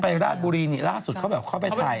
ไปราชบุรีนี่ล่าสุดเขาไปทาย